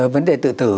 vấn đề tự tử